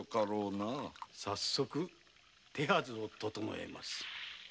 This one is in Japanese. はい早速手はずを整えます。